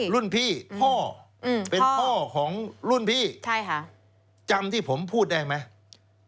รุ่นพี่พ่อเป็นพ่อของรุ่นพี่ใช่ค่ะจำที่ผมพูดได้ไหม